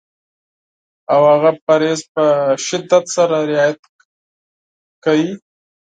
او هغه پرهېز په شدت سره رعایت کړي.